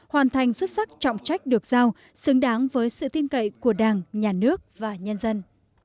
hoàn thành xuất sắc trọng trách được giao xứng đáng với sự tin cậy của đảng nhà nước và nhân dân